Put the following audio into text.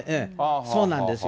そうなんですよ。